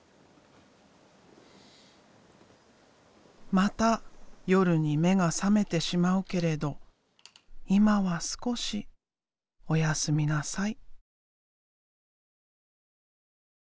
また夜に目が覚めてしまうけれど今は少し「おやすみなさい」。